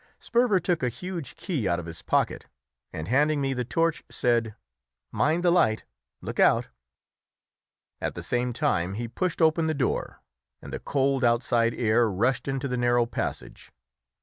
Sperver took a huge key out of his pocket, and handing me the torch, said "Mind the light look out!" At the same time he pushed open the door, and the cold outside air rushed into the narrow passage.